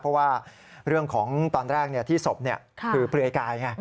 เพราะว่าเรื่องของตอนแรกที่ศพคือเปลือยกายไง